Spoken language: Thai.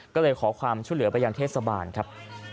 ก็เลยขอความช่วยเหลือไปยังเทศบาลครับ